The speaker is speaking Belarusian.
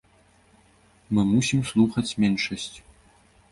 Мы мусім слухаць меншасць.